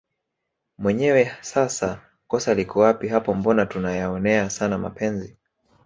mwenyewe sasa kosa liko wapi hapo mbona tuna yaonea sana mapenzi